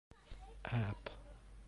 App.